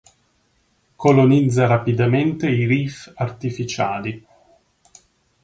Colonizza rapidamente i reef artificiali.